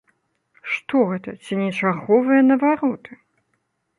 Што гэта, ці не чарговыя навароты?